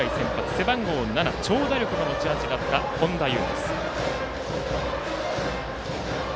背番号７長打力が持ち味だった、本多優。